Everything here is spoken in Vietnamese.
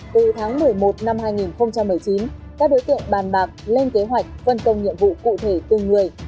từ tháng một mươi một năm hai nghìn một mươi chín các đối tượng bàn bạc lên kế hoạch phân công nhiệm vụ cụ thể từng người